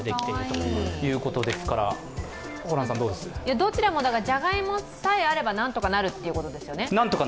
どちらもじゃがいもさえあればなんとかなるということですよね。